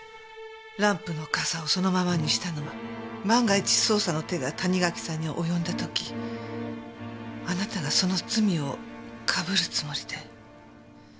ランプの笠をそのままにしたのは万が一捜査の手が谷垣さんに及んだ時あなたがその罪をかぶるつもりで。